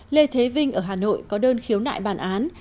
lê thế vinh ở hà nội có đơn khiếu nại bản án